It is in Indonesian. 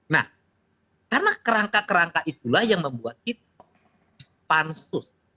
nah karena kerangka kerangka itulah yang membuat kita pansus